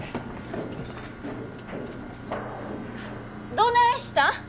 どないしたん。